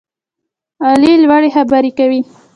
علي لوړې خبرې کوي.